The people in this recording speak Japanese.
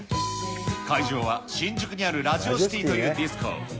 会場は、新宿にあるラジオシティというディスコ。